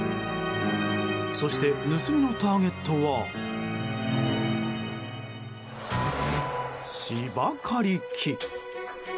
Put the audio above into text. そして、盗みのターゲットは芝刈り機。